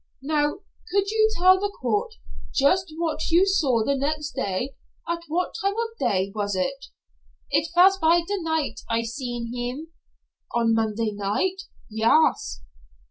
"Now you tell the court just what you saw the next day. At what time of the day was it?" "It vas by der night I seen heem." "On Monday night?" "Yas."